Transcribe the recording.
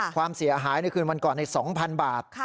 ความเสียหายในคืนวันก่อนใน๒๐๐๐บาท